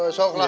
eh sok lah